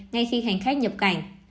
ngay khi hành khách nhập cảnh